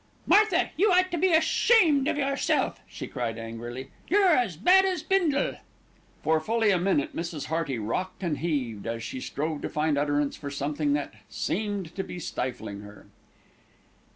"Martha, you ought to be ashamed of yourself," she cried angrily. "You're as bad as Bindle." For fully a minute, Mrs. Hearty rocked and heaved, as she strove to find utterance for something that seemed to be stifling her.